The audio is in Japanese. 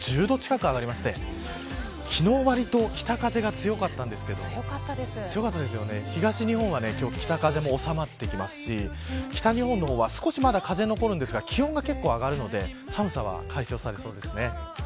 北日本も昨日よりも１０度近く上がりまして昨日、わりと北風が強かったんですが東日本は今日北風も収まってきますし北日本は少しまだ風が残るんですが気温が結構上がるので寒さは解消されそうですね。